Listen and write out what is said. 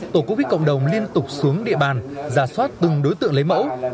tổ quốc khí cộng đồng liên tục xuống địa bàn giả soát từng đối tượng lấy mẫu